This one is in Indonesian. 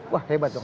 wah hebat dong